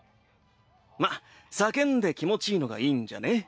まっ叫んで気持ちいいのがいいんじゃね？